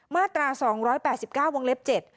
มาตรา๒๘๙วงเล็บ๗